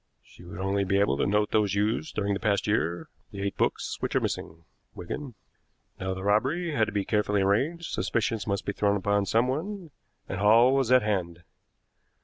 She would only be able to note those used during the past year the eight books which are missing, Wigan. Now the robbery had to be carefully arranged, suspicion must be thrown upon someone, and Hall was at hand.